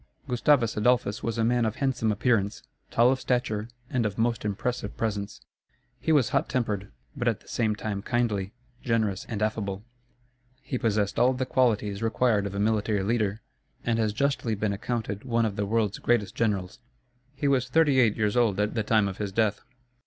Gustavus Adolphus was a man of handsome appearance, tall of stature, and of most impressive presence. He was hot tempered; but at the same time kindly, generous, and affable. He possessed all the qualities required of a military leader, and has justly been accounted one of the world's greatest generals. He was thirty eight years old at the time of his death.